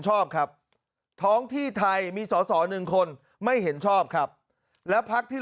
ชอบครับท้องที่ไทยมีสอสอหนึ่งคนไม่เห็นชอบครับแล้วพักที่